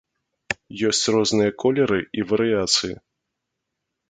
Ёсць розныя колеры і варыяцыі.